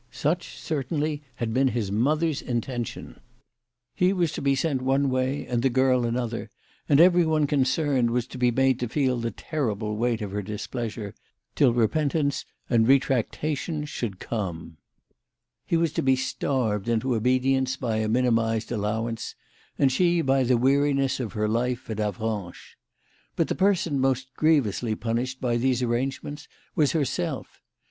Such certainly had been his mother's intention. He was to be sent one way, and the girl another, and everyone concerned was to be made to feel the terrible weight of her dis pleasure, till repentance and retractation should come. THE LADY OF LAUNAY. 175 He was to be starved into obedience by a minimised allowance, and she by the weariness of her life at Avranches. But the person most grievously punished by these arrangements was herself.